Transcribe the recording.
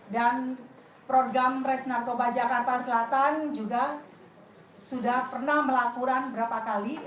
dan program resnarkoba jakarta selatan juga sudah pernah melakukan berapa kali